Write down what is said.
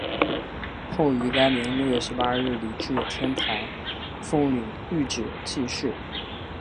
后于该年六月十八日礼置天台奉领玉旨济世。